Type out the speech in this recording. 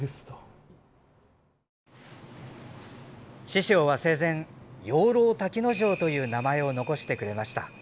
師匠は生前養老瀧之丞という名前を残してくれました。